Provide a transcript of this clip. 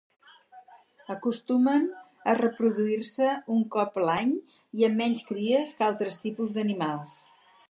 Acostumen a reproduir-se un cop l'any i amb menys cries que altres tipus d'animals.